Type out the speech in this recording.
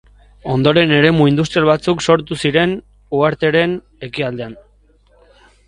Ondoren eremu industrial batzuk sortu ziren uhartearen ekialdean.